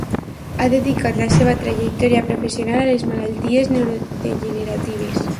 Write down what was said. Ha dedicat la seva trajectòria professional a les malalties neurodegeneratives.